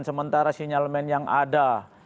sementara sinyalmen yang ada